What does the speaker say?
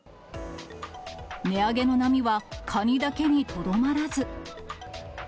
値上げの波はカニだけにとどまらず。